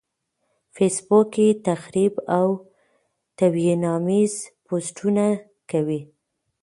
فېس بوک کې تخريب او توهيناميز پوسټونه کوي.